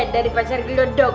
dari pasar gelodok